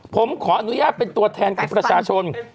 ผมขออนุญาตเป็นตัวแทนของประชาชน